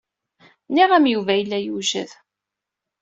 Nniɣ-am Yuba yella yewjed.